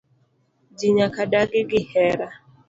Ji nyaka dagi gi hera.